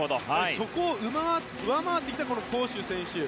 そこを上回ってきたコーシュ選手。